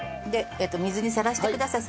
水にさらしてください。